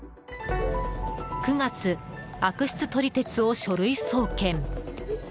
９月、悪質撮り鉄を書類送検。